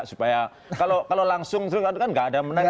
supaya kalau langsung kan nggak ada menang